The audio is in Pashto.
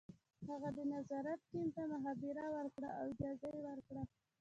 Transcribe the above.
هغه د نظارت ټیم ته مخابره وکړه او اجازه یې ورکړه